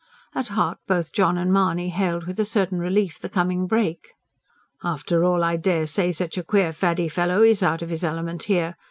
At heart, both John and Mahony hailed with a certain relief the coming break. "After all I dare say such a queer faddy fellow IS out of his element here.